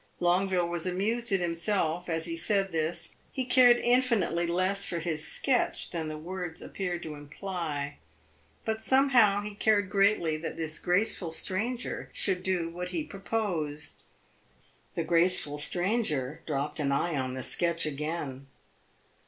Longueville was amused at himself as he said this. He cared infinitely less for his sketch than the words appeared to imply; but, somehow, he cared greatly that this graceful stranger should do what he had proposed. The graceful stranger dropped an eye on the sketch again.